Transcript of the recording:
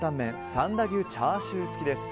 三田牛チャーシュー付きです。